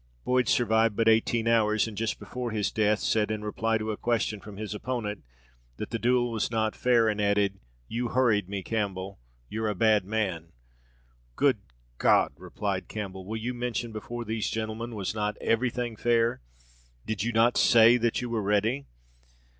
Boyd survived but eighteen hours, and just before his death, said, in reply to a question from his opponent, that the duel was not fair, and added, "You hurried me, Campbell you're a bad man." "Good God!" replied Campbell, "will you mention before these gentlemen, was not every thing fair? Did you not say that you were ready?"